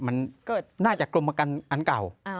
มันน่าจะโครงการอั้นเก่า